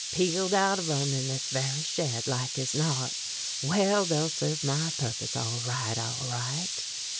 Peeled out of 'em in this very shed, like as not. Well, they'll serve my purpose all right, all right."